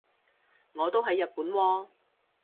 我都喺日本喎